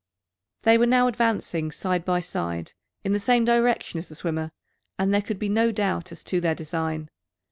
They were now advancing side by side, in the same direction as the swimmer, and there could be no doubt as to their design.